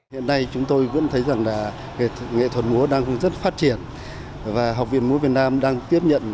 hiện nay chúng tôi vẫn thấy rằng là nghệ thuật múa đang rất phát triển và học viện múa việt nam đang tiếp nhận